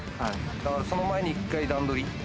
だから、その前に一回段取り。